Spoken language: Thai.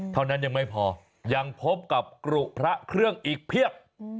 เท่านั้นยังไม่พอยังพบกับกรุพระเครื่องอีกเพียบ